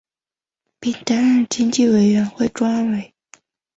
并担任经济委员会专委。